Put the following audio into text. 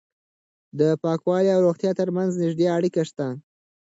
د پاکوالي او روغتیا ترمنځ نږدې اړیکه شته.